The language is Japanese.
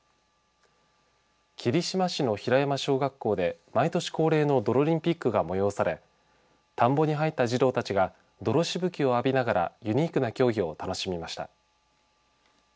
霧島市の平山小学校で毎年恒例のどろりんピックが催され田んぼに入った児童たちが泥しぶき浴びながらユニークな競技を楽しみました。